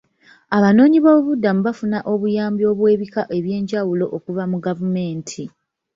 Abanoonyiboobubudamu baafuna obuyambi obw'ebika eby'enjawulo okuva mu gavumenti